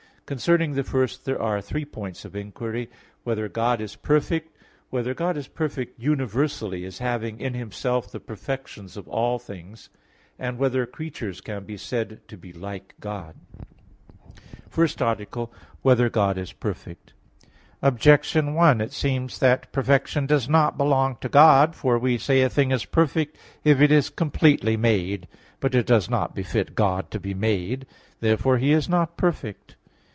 Concerning the first there are three points of inquiry: (1) Whether God is perfect? (2) Whether God is perfect universally, as having in Himself the perfections of all things? (3) Whether creatures can be said to be like God? _______________________ FIRST ARTICLE [I, Q. 4, Art. 1] Whether God is Perfect? Objection 1: It seems that perfection does not belong to God. For we say a thing is perfect if it is completely made. But it does not befit God to be made. Therefore He is not perfect.